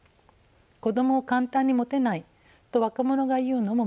子どもを簡単に持てないと若者が言うのももっともです。